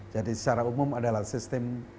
jadi secara umum adalah sistem